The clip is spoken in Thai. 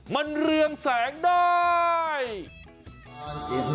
มันเรืองแสงได้